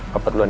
kepet luan ya